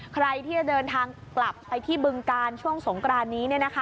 ใครที่จะเดินทางกลับไปที่บึงกาลช่วงสงกรานนี้